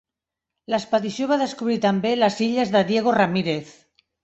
L'expedició va descobrir també les Illes de Diego Ramírez.